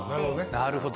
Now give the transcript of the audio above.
なるほど。